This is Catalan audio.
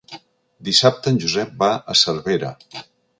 Dissabte en Josep va a Cervera.